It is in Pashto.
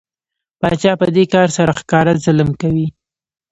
پاچا په دې کار سره ښکاره ظلم کوي.